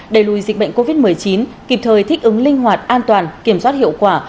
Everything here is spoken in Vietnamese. đẩy lùi dịch bệnh covid một mươi chín kịp thời thích ứng linh hoạt an toàn kiểm soát hiệu quả